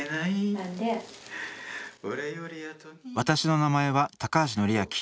私の名前は高橋敬明。